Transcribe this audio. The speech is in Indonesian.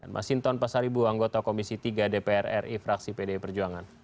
mas hinton pasaribu anggota komisi tiga dpr ri fraksi pd perjuangan